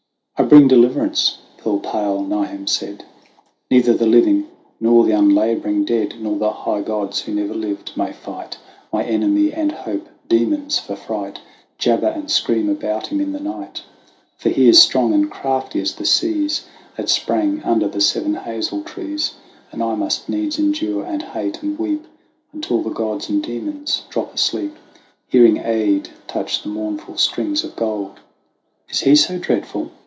"I bring deliverance," pearl pale Niamh said. "Neither the living, nor the unlabouring dead, Nor the high gods who never lived, may fight My enemy and hope ; demons for fright Jabber and scream about him in the night ; For he is strong and crafty as the seas That sprang under the Seven Hazel Trees And I must needs endure and hate and weep, Until the gods and demons drop asleep Hearing Aed touch the mournful strings of gold." 104 THE WANDERINGS OF OISIN "Is he so dreadful?"